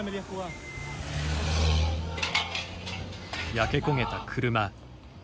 焼け焦げた車。